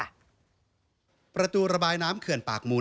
ของคุณสมศักดิ์ศรีชุมค่ะประตูระบายน้ำเขื่อนปากมูล